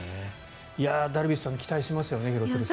ダルビッシュさん期待しますよね、廣津留さん。